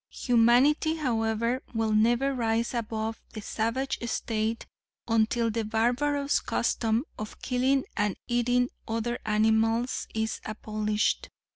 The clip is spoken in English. Humanity, however, will never rise above the savage state until the barbarous custom of killing and eating other animals is abolished.